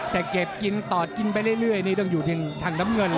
แต่เก็บกินต่อกินไปเรื่อยนี่ต้องอยู่ทางน้ำเงิน